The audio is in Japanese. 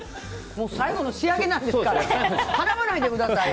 最後の仕上げなんですから絡まないでくださいよ！